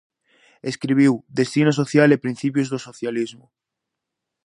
Escribiu "Destino social" e "Principios do socialismo".